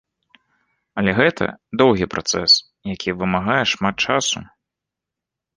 Але гэта доўгі працэс, які вымагае шмат часу.